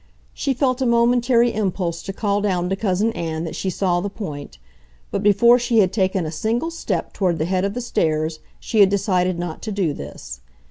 She felt a momentary impulse to call down to Cousin Ann that she saw the point, but before she had taken a single step toward the head of the stairs she had decided not to do this.